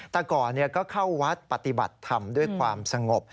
แต่ก่อนก็เข้าวัดปฏิบัติธรรมด้วยความสงบ